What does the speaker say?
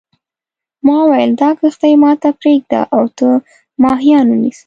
ما وویل دا کښتۍ ما ته پرېږده او ته ماهیان ونیسه.